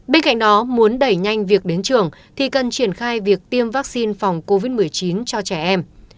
bên cạnh đó muốn đẩy nhanh việc đến trường thì cần triển khai việc tiêm vaccine phòng covid một mươi chín cho trẻ em